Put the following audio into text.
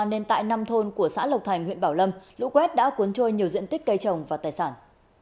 nên tại năm thôn của xã lộc thành huyện bảo lâm lũ quét đã cuốn trôi nhiều diện tích cây trồng và tài sản